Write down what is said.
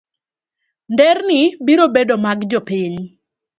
nderni biro bedo mag jopiny.